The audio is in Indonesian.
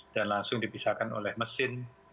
dan langsung dipisahkan oleh mesin